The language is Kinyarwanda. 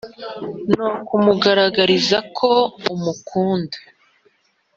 no kumugaragariza ko umukunda